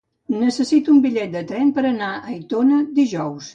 Necessito un bitllet de tren per anar a Aitona dijous.